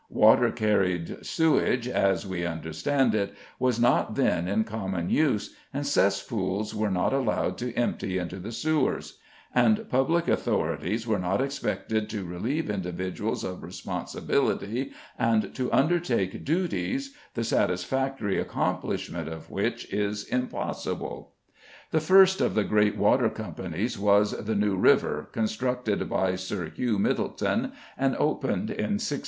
Water carried sewage, as we understand it, was not then in common use, and cesspools were not allowed to empty into the sewers; and Public Authorities were not expected to relieve individuals of responsibility and to undertake duties, the satisfactory accomplishment of which is impossible. The first of the great water companies was the "New River," constructed by Sir Hugh Myddleton and opened in 1613.